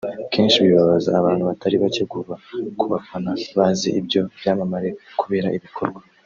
kenshi bibabaza abantu batari bake kuva kubafana bazi ibyo byamamare kubera ibikorwa